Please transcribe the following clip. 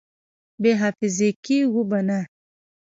بې حافظې کېږو به نه!